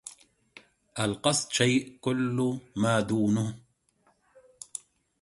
القصد شيء كل ما دونه